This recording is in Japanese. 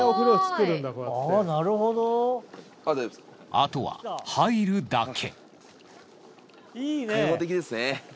あとは入るだけ。